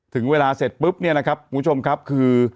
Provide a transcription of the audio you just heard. ถึงเวลาเสร็จปุ๊บเนี่ยนะครับคุณผู้ชมครับคือ